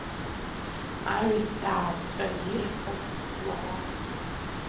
Аҩсҭаацәа ирфаз уара…